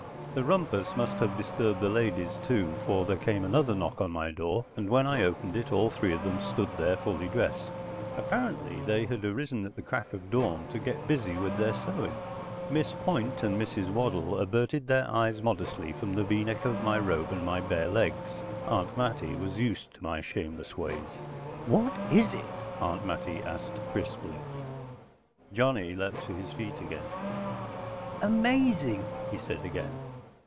The rumpus must have disturbed the ladies, too, for there came another knock on my door, and when I opened it all three of them stood there fully dressed. Apparently they had arisen at the crack of dawn to get busy with their sewing. Miss Point and Mrs. Waddle averted their eyes modestly from the V neck of my robe and my bare legs. Aunt Mattie was used to my shameless ways. "What is it?" Aunt Mattie asked crisply. Johnny leaped to his feet again. "Amazing," he said again.